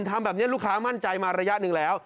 ทำแบบนี้ลูกค้ามั่นใจมาระยะหนึ่งแล้ว